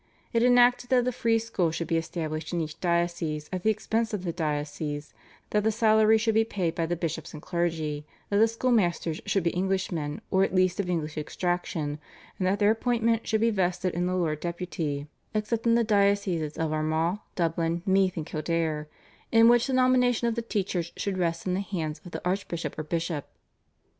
It enacted that a free school should be established in each diocese at the expense of the diocese, that the salary should be paid by the bishops and clergy, that the schoolmasters should be Englishmen or at least of English extraction, and that their appointment should be vested in the Lord Deputy except in the Dioceses of Armagh, Dublin, Meath, and Kildare, in which the nomination of the teachers should rest in the hands of the archbishop or bishop.